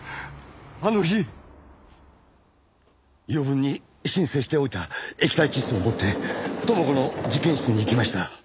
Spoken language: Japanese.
あの日余分に申請しておいた液体窒素を持って知子の実験室に行きました。